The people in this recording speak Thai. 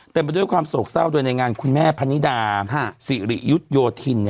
ไปด้วยความโศกเศร้าโดยในงานคุณแม่พนิดาสิริยุทธโยธิน